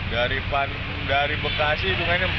dari bekasi empat belas jam